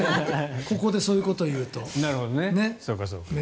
ここでそういうことを言うとね。